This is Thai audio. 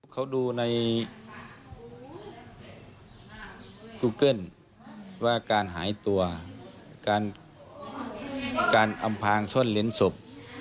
เขาดูในกูเกิลว่าการหายตัวการอำพางส้นเลนส์ศพ